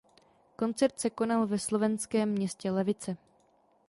Koncert se konal ve slovenském městě Levice.